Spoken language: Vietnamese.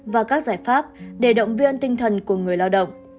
và các giải pháp để động viên tinh thần của người lao động